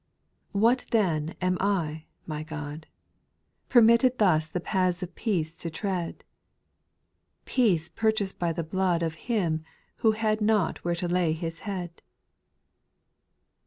What then am I, my God, Permitted thus the paths of peace to tread ? Peace purchased by the blood Of Him who had not where to lay His nead.